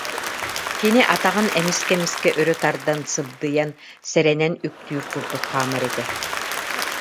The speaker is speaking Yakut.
Кини атаҕын эмискэ-эмискэ өрө тардан, сыбдыйан, сэрэнэн үктүүр курдук хаамар этэ